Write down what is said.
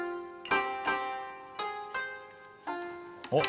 おっ！